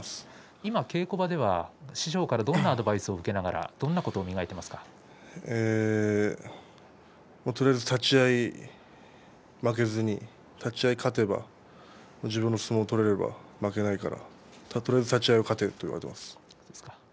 今、稽古場では師匠からどんなアドバイスを受けながらとりあえず立ち合い負けずに立ち合い立てば自分の相撲を取ることができるから、負けないからとりあえず立ち合い立てと言われています。